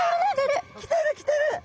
来てる来てる！